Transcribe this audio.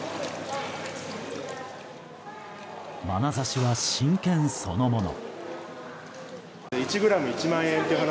まなざしは、真剣そのもの。